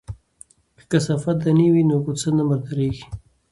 که کثافات دانی وي نو کوڅه نه مرداریږي.